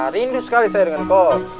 rindu sekali saya dengan kor